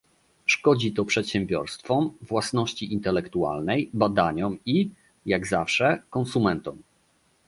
Szkodzi to przedsiębiorstwom, własności intelektualnej, badaniom i - jak zawsze - konsumentom